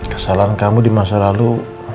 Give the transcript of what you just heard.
kesalahan kamu di masa lalu